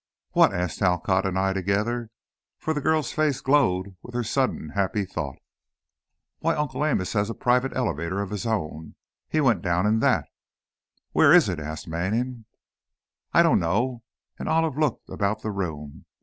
"What?" asked Talcott and I together, for the girl's face glowed with her sudden happy thought. "Why, Uncle Amos has a private elevator of his own. He went down in that!" "Where is it?" asked Manning. "I don't know," and Olive looked about the room.